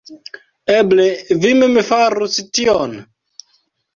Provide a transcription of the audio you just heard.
Eble vi mem farus tion?